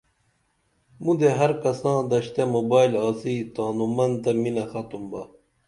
مُدے ہر کساں دشتہ موبائل آڅی تانوں من تہ مِنہ ختُم با